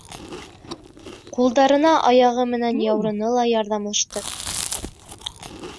Ҡулдарына аяғы менән яурыны ла ярҙамлашты.